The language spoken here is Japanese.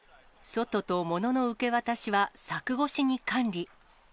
外とものの受け渡しは柵越しに管理。